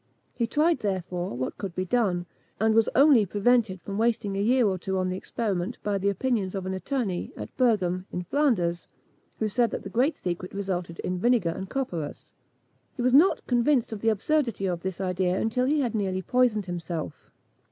He tried, therefore, what could be done; and was only prevented from wasting a year or two on the experiment by the opinions of an attorney, at Berghem, in Flanders, who said that the great secret resided in vinegar and copperas. He was not convinced of the absurdity of this idea until he had nearly poisoned himself.